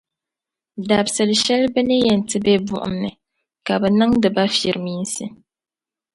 Dabsi’ shεli bɛ ni yɛn ti be buɣumni, kabɛ niŋdi ba furminsi.